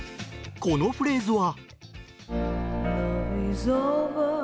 このフレーズは。